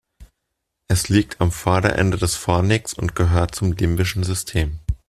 Es liegt am Vorderende des Fornix und gehört zum limbischen System.